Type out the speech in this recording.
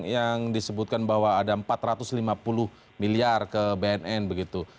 yang disebutkan bahwa ada empat ratus lima puluh miliar ke bnn begitu